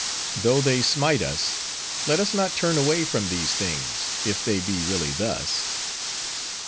"'Though they smite us, let us not turn away from these things, if they be really thus.